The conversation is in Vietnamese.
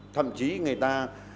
thậm chí người ta